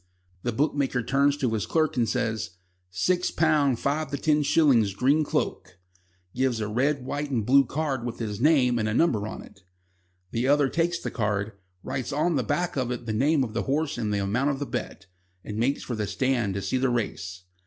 The bookmaker turns to his clerk and says: "Six pound five to ten shillings Green Cloak," gives a red white and blue card with his name and a number on it; the other takes the card, writes on the back of it the name of the horse and the amount of the bet, and makes for the stand to see the race.